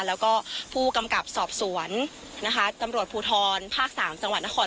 แล้วก็ผู้กำกับสอบสวนนะคะตำรวจภูทรภาค๓จังหวัดนคร